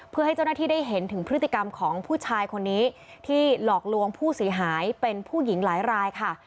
เพื่อให้เจ้าหน้าที่ได้เห็นถึงพฤติกรรมของผู้ชายคนนี้ที่หลอกลวงผู้เสียหายเป็นผู้หญิงหลายรายค่ะ